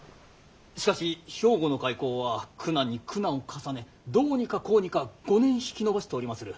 しかし兵庫の開港は苦難に苦難を重ねどうにかこうにか５年引き延ばしておりまする。